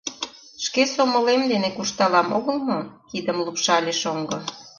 — Шке сомылем дене куржталам огыл мо? — кидым лупшале шоҥго.